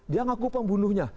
dia mengaku pembunuhnya